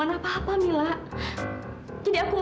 kita bisa tinggal di timur